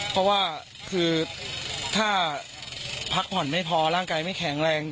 เพราะว่าคือถ้าพักผ่อนไม่พอร่างกายไม่แข็งแรง